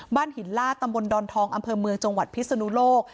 หินล่าตำบลดอนทองอำเภอเมืองจังหวัดพิศนุโลก